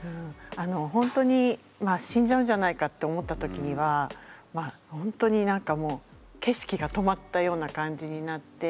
ほんとに死んじゃうんじゃないかって思った時にはまあほんとに何かもう景色が止まったような感じになって。